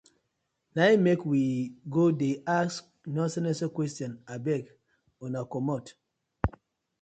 Na im mek we go dey ask nonsense nonsense question, abeg una komot.